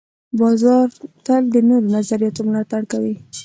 بازار تل د نوو نظریاتو ملاتړ کوي.